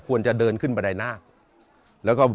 โปรดติดตามต่อไป